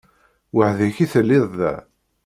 Weḥd-k i telliḍ da?